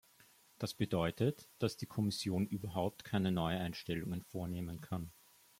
Das bedeutet, dass die Kommission überhaupt keine Neueinstellungen vornehmen kann.